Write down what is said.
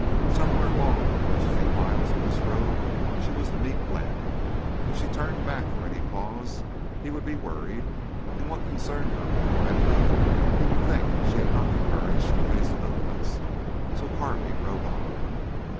Somewhere along the first few miles of this road she was to meet Glenn. If she turned back for any cause he would be worried, and, what concerned her more vitally, he would think she had not the courage to face a little dust. So Carley rode on.